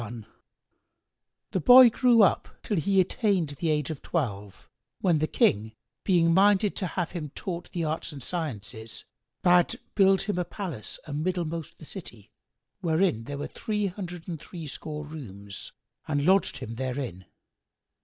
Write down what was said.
[FN#95] The boy grew up till he attained the age of twelve,[FN#96] when the King being minded to have him taught the arts and sciences, bade build him a palace amiddlemost the city, wherein were three hundred and threescore rooms,[FN#97] and lodged him therein.